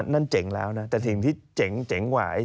นั่นเจ๋งแล้วนะแต่สิ่งที่เจ๋งเจ๋งกว่า